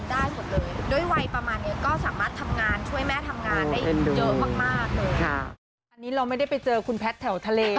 แต่ว่าถ้าถามว่าพรุ่งใจแม่มากที่สุดมากที่สุดเลย